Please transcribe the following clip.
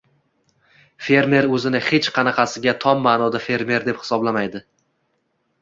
fermer o‘zini hech qanaqasiga tom ma’noda fermer deb hisoblamaydi.